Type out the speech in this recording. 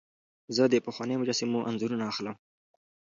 زه د پخوانیو مجسمو انځورونه اخلم.